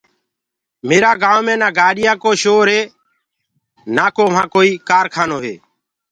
ميرآ گآئونٚ مي نآ گاڏيآنٚ ڪو شور هي نآڪو وهآن ڪوئي ڪارکانو هي